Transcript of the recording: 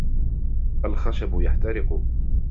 الخشب يحترق.